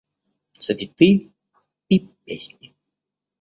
Цветы и песни.